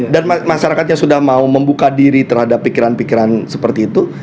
dan masyarakatnya sudah mau membuka diri terhadap pikiran pikiran seperti itu